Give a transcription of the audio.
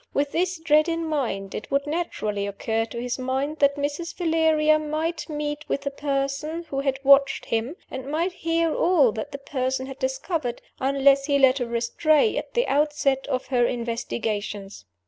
With this dread in him, it would naturally occur to his mind that Mrs. Valeria might meet with the person who had watched him, and might hear all that the person had discovered unless he led her astray at the outset of her investigations.